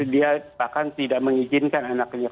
dia bahkan tidak mengizinkan anaknya